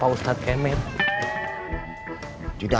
yang akan memandun malam